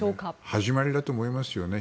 始まりだと思いますよね。